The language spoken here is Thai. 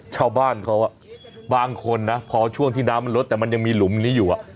ชาวบ้านเขาบางคนนะพอช่วงที่น้ำมันลดแต่มันยังมีหลุมนี้อยู่